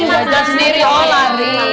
dia sendiri oh lari